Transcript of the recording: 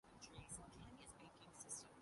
مجلس عمل ایک انتخابی اتحاد ہے۔